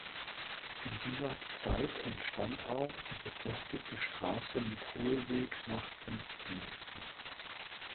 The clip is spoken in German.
In dieser Zeit entstand auch die befestigte Straße mit Hohlweg nach Penzlin.